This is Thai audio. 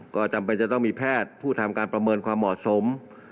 ก็จำเป็นจะต้องมีแพทย์ผู้ทำการประเมินความเหมาะสม